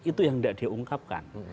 itu yang tidak dia ungkapkan